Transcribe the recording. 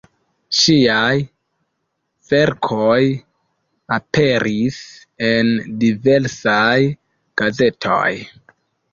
Ŝiaj verkoj aperis en diversaj gazetoj.